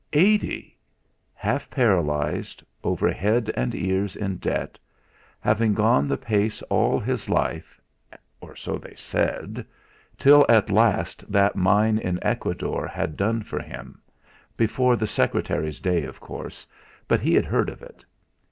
Eighty! Half paralysed, over head and ears in debt, having gone the pace all his life or so they said! till at last that mine in Ecuador had done for him before the secretary's day, of course, but he had heard of it.